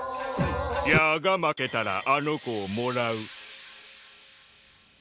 ヤーが負けたらあの子をもらう。